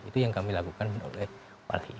itu yang kami lakukan oleh